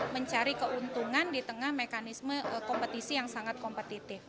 mencari keuntungan di tengah mekanisme kompetisi yang sangat kompetitif